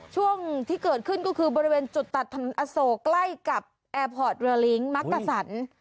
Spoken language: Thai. ช่วงที่เกิดขึ้นก็คือบริเวณจุดตัดถนนอโศกใกล้กับแอร์พอร์ตเรือลิ้งมักกะสัน